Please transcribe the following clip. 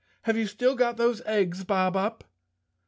Have you still got those eggs, Bob Up?"